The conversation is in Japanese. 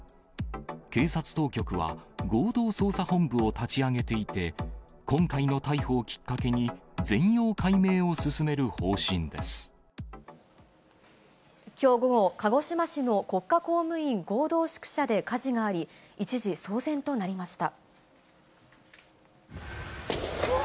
警察当局は、合同捜査本部を立ち上げていて、今回の逮捕をきっかけに、全容解きょう午後、鹿児島市の国家公務員合同宿舎で火事があり、一時騒然となりました。